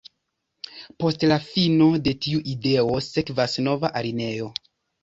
Post la fino de tiu ideo, sekvas nova alineo.